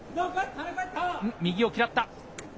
右を嫌った。